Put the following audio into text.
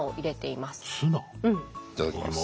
いただきます。